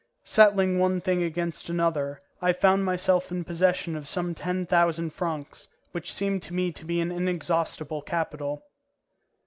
Settling one thing against another, I found myself in possession of some ten thousand francs, which seemed to me an inexhaustible capital.